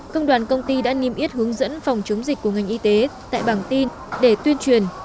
công đoàn công ty đã niêm yết hướng dẫn phòng chống dịch của ngành y tế tại bảng tin để tuyên truyền